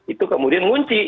itu kemudian ngunci